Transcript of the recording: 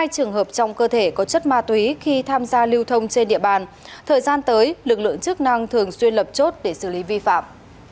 hai trường hợp trong cơ thể có chất ma túy khi tham gia lưu thông trên địa bàn thời gian tới lực lượng chức năng thường xuyên lập chốt để xử lý vi phạm